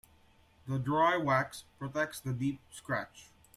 The dry wax protects the deep scratch.